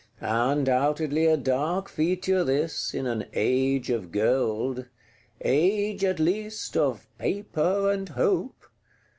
Undoubtedly a dark feature this in an Age of Gold,—Age, at least, of Paper and Hope!